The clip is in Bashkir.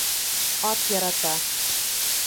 Ат ярата!